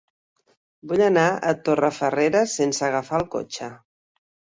Vull anar a Torrefarrera sense agafar el cotxe.